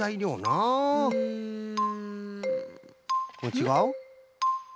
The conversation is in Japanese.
ちがう？